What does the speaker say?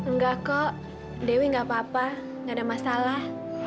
nggak kok dewi nggak apa apa nggak ada masalah